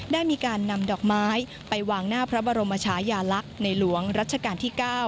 ได้มีการนำดอกไม้ไปวางหน้าพระบรมชายาลักษณ์ในหลวงรัชกาลที่๙